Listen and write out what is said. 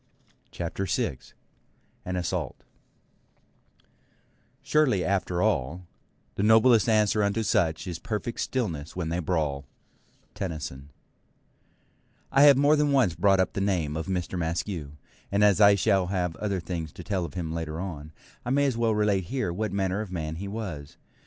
CHAPTER 6 AN ASSAULT Surely after all, The noblest answer unto such Is perfect stillness when they brawl Tennyson I have more than once brought up the name of Mr. Maskew; and as I shall have other things to tell of him later on, I may as well relate here what manner of man he was.